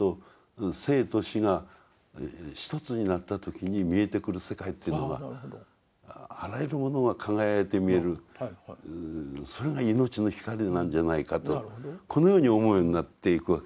生と死が一つになった時に見えてくる世界というのがあらゆるものが輝いて見えるそれが命の光なんじゃないかとこのように思うようになっていくわけですね。